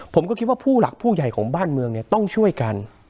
ผมก็คิดว่าผู้หลักผู้ใหญ่ของบ้านเมืองเนี่ยต้องช่วยกัน